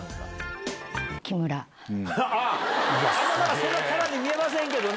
そんなキャラに見えませんけどね